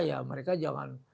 ya mereka jangan